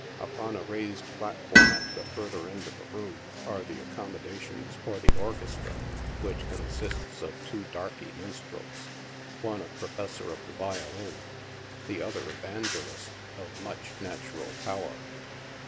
Upon a raised plat form, at the further end of the room, are the accommodations for the orchestra, which consists of two darkey minstrels — one a profes sor of the violin, the other a banjoist, of much natural power.